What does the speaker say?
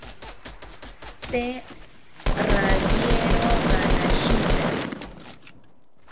Tee rawiero ranashitya